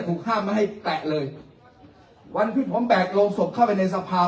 ผมข้ามไม่ให้แตะเลยวันที่ผมแบกโรงศพเข้าไปในสภา